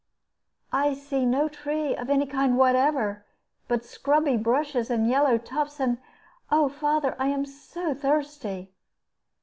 "I see no tree of any kind whatever, but scrubby bushes and yellow tufts; and oh, father, I am so thirsty!"